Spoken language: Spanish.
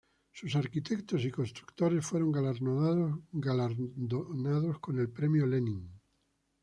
Sus arquitectos y constructores fueron galardonados con el Premio Lenin.